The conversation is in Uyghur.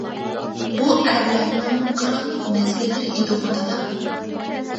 بۇ ئەرلەرنىڭ قىرانلىق مەزگىللىرى ئىدىغۇ دادا!